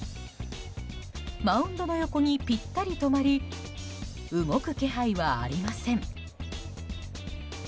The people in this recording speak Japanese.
マウンドの横にぴったり止まり動く気配はありません。